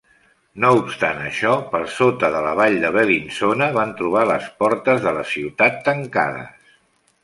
No obstant això, per sota de la vall de Bellinzona, van trobar les portes de la ciutat tancades.